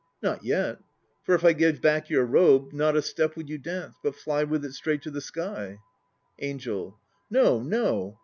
Not yet, for if I give back your robe, not a step would you dance, but fly with it straight to the sky. ANGEL. No, no.